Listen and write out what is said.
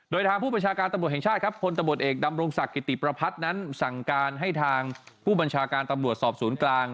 โดยทางผู้ประชาการตำรวจแห่งชาติครับพลตำรวจเอกดำรงศักดิติประพัฒน์นั้นสั่งการให้ทางผู้บัญชาการตำรวจสอบศูนย์กลาง